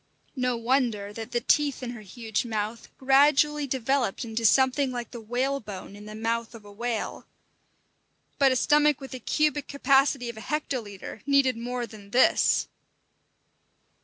No wonder that the teeth in her huge mouth gradually developed into something like the whalebone in the mouth of a whale But a stomach with the cubic capacity of a hectolitre needed more than this!